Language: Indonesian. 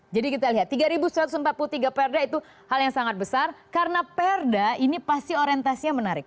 jadi kita lihat tiga satu ratus empat puluh tiga perda itu hal yang sangat besar karena perda ini pasti orientasinya menarik